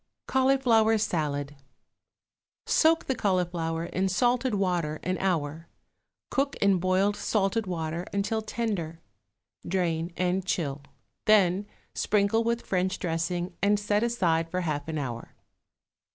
=Cauliflower Salad.= Soak the cauliflower in salted water an hour; cook in boiling salted water until tender; drain and chill, then sprinkle with French dressing and set aside for half an hour.